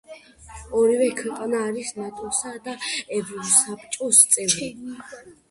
ორივე ქვეყანა არის ნატოსა და ევროსაბჭოს წევრი.